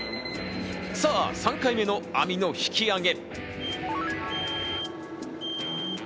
さぁ、３回目の網の引き上げ。